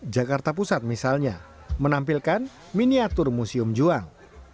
jakarta pusat misalnya menampilkan miniatur museum juang